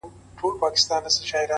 د ژوند ښکلا په توازن کې ده،